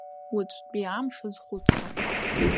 Уаҵәтәи амш азхәыцра!